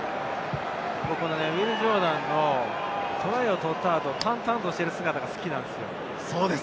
ウィル・ジョーダンのトライを取った後、淡々としている姿が好きなんですよ。